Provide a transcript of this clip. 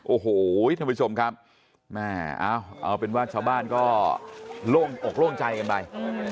โอ้โหท่านผู้ชมครับแม่เอาเป็นว่าชาวบ้านก็โล่งอกโล่งใจกันไป